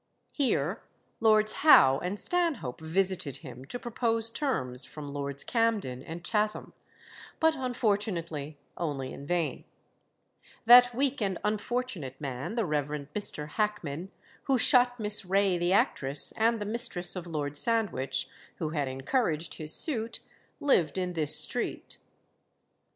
Here Lords Howe and Stanhope visited him to propose terms from Lords Camden and Chatham, but unfortunately only in vain. That weak and unfortunate man, the Rev. Mr. Hackman, who shot Miss Ray, the actress and the mistress of Lord Sandwich, who had encouraged his suit, lived in this street.